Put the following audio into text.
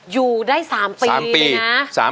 อยู่ได้๓ปีนะ